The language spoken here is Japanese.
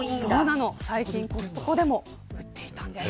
最近、コストコでも売っていたんです。